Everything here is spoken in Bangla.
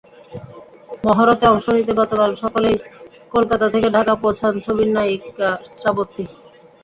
মহরতে অংশ নিতে গতকাল সকালেই কলকাতা থেকে ঢাকা পৌঁছান ছবির নায়িকা শ্রাবন্তী।